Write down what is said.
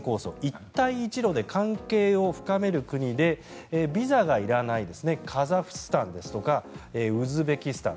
一帯一路で関係を深める国でビザがいらないカザフスタンですとかウズベキスタン